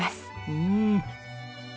うん！